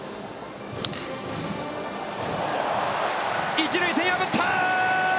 一塁線、破ったー！